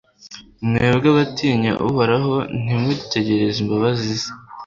mwebwe abatinya uhoraho, nimutegereze imbabazi ze